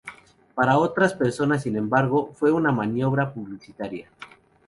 Para otras personas, sin embargo, fue una maniobra publicitaria.